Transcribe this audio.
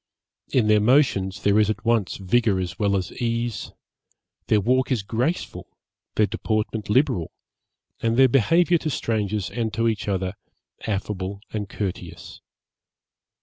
In their motions there is at once vigour as well as ease; their walk is graceful, their deportment liberal, and their behaviour to strangers and to each other, affable and courteous.